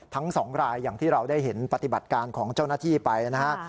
ทั้งสองรายอย่างที่เราได้เห็นปฏิบัติการของเจ้าหน้าที่ไปนะฮะ